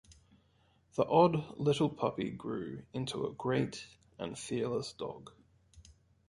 The odd little puppy grew into a great and fearless dog.